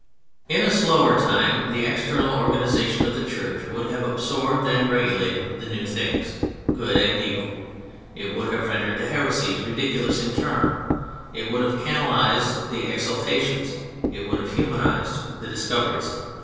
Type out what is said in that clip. In a slower time the external organization of the Church would have absorbed and regulated the new things, good and evil. It would have rendered the heresies ridiculous in turn, it would have canalized the exaltations, it would have humanized the discoveries.